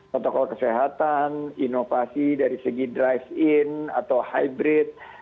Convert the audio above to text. protokol kesehatan inovasi dari segi drive in atau hybrid